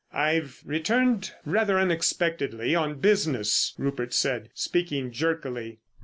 "I've returned rather unexpectedly on business," Rupert said, speaking jerkily.